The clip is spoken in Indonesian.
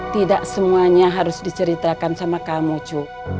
tidak semuanya harus diceritakan sama kamu cu